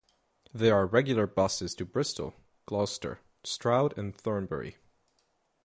There are regular buses to Bristol, Gloucester, Stroud and Thornbury.